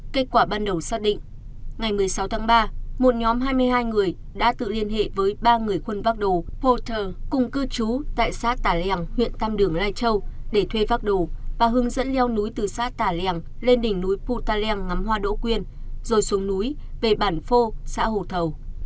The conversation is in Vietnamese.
kết quả ban đầu xác định ngày một mươi sáu tháng ba một nhóm hai mươi hai người đã tự liên hệ với ba người khuân vác đồ poter cùng cư trú tại xã tà lèng huyện tam đường lai châu để thuê vác đồ và hướng dẫn leo núi từ xã tà lèng lên đỉnh núi putaleng ngắm hoa đỗ quyên rồi xuống núi về bản phô xã hồ thầu